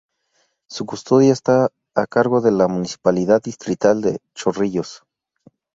Su custodia está a cargo de la Municipalidad Distrital de Chorrillos.